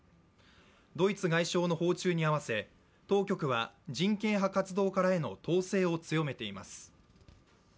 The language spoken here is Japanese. ドイツ外相の訪中に合わせ当局は人権派活動家らへの統制を強めています。